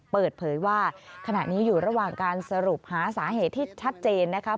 เปิดเผยว่าขณะนี้อยู่ระหว่างการสรุปหาสาเหตุที่ชัดเจนนะคะ